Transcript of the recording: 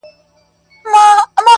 خو وجدان يې نه پرېږدي تل,